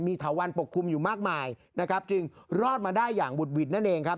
เถาวันปกคลุมอยู่มากมายนะครับจึงรอดมาได้อย่างบุดหวิดนั่นเองครับ